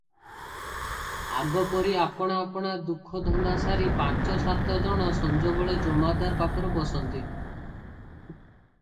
ଆଗପରି ଆପଣା ଆପଣା ଦୁଃଖ ଧନ୍ଦା ସାରି ପାଞ୍ଚ ସାତ ଜଣ ସଞ୍ଜବେଳେ ଜମାଦାର ପାଖରେ ବସନ୍ତି ।